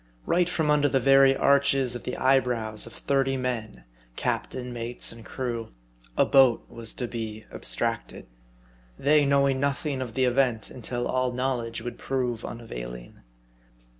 Right from under the very arches of the eyebrows of thirty men captain, mates, and crew a boat was to be abstracted ; they knowing nothing of the event, until all knowledge would prove unavailing.